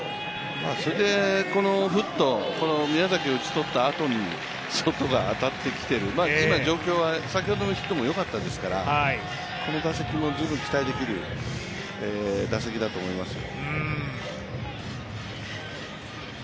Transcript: それでふっと、宮崎を打ち取ったあとにソトが当たってきている、先ほどのヒットもよかったですから、この打席も十分期待できる打席だと思いますよ。